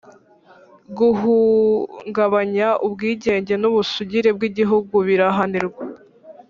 guhungabanya ubwigenge n’ ubusugire bw’ Igihugu birahanirwa